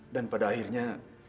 dan pada akhirnya